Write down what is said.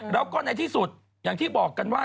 แล้วก็ในที่สุดอย่างที่บอกกันว่า